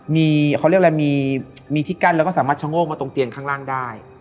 มีที่กั้นแล้วก็สามารถชะโงกมาตรงเตียงข้างล่างได้